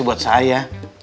ini buat saya